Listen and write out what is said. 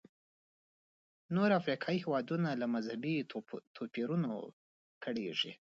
نور افریقایي هېوادونه له مذهبي توپیرونو کړېږي.